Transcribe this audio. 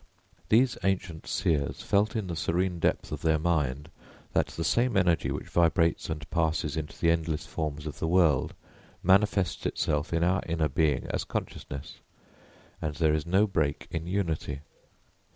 These ancient seers felt in the serene depth of their mind that the same energy which vibrates and passes into the endless forms of the world manifests itself in our inner being as consciousness; and there is no break in unity.